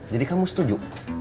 jadi kamu setuju